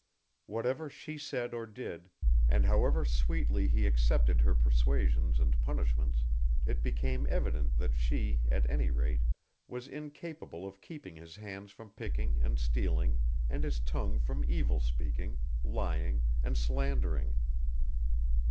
Whatever she said or did, and however sweetly he accepted her persuasions and punishments, it became evident that she, at any rate, was incapable of keeping his hands from picking and stealing and his tongue from evil speaking, lying, and slandering.